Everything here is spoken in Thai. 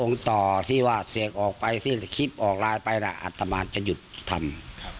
ต่อที่ว่าเสียงออกไปที่คลิปออกไลน์ไปน่ะอัตมานจะหยุดทำ